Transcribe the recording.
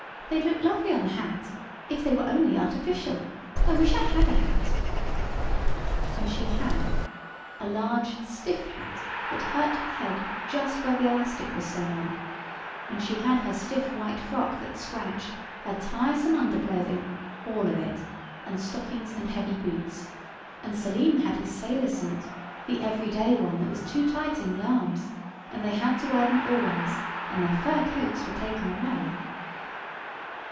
They'd look lovely on a hat, if they were only artificial. I wish I had a hat." And she had. A large stiff hat that hurt her head just where the elastic was sewn on, and she had her stiff white frock that scratched, her tiresome underclothing, all of it, and stockings and heavy boots; and Selim had his sailor suit—the every day one that was too tight in the arms; and they had to wear them always, and their fur coats were taken away.